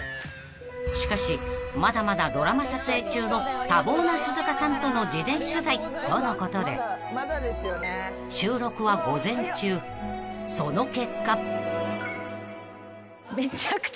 ［しかしまだまだドラマ撮影中の多忙な鈴鹿さんとの事前取材とのことで収録は午前中その結果］